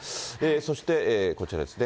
そして、こちらですね。